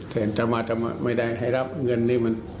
แต่ตะวาไม่ได้ให้รับเงินนี้มัน